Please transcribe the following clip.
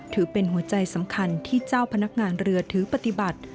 ถือเป็นหัวใจสำคัญที่เจ้าพนักงานเรือถือปฏิบัติ